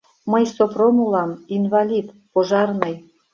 Мый Сопром улам, инвалид, пожарный...